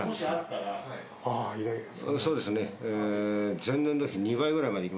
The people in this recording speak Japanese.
そうですね。